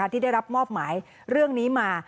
ที่ได้รับมอบหมายเรื่องนี้มา